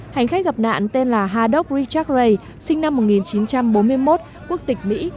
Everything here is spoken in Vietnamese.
hành khách gặp nạn tên là haddock richard ray sinh năm một nghìn chín trăm bốn mươi một quốc tịch mỹ